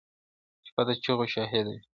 شپه د چيغو شاهده وي,